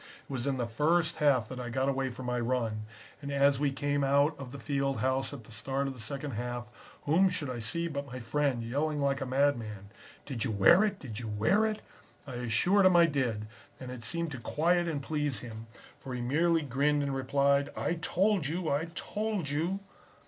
It was in the first half that I got away for my run, and as we came out of the field house at the start of the second half, whom should I see but my friend, yelling like a madman "'Did you wear it? Did you wear it?' "I assured him I did, and it seemed to quiet and please him, for he merely grinned and replied: "'I told you! I told you!'